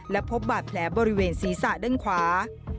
และพบบาดแผลบริเวณศีรษะด้านขวา